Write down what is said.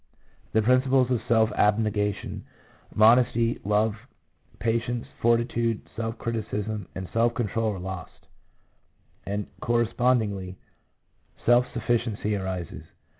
The principles of self abnegation, modesty, love, patience, fortitude, self criticism, and self control are lost, 1 and correspond ingly, self sufficiency arises.